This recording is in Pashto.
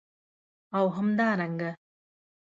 او همدارنګه